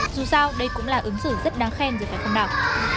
dù sao đây cũng là ứng xử rất đáng khen rồi phải không nào